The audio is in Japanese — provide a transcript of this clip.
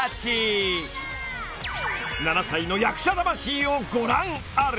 ［７歳の役者魂をご覧あれ］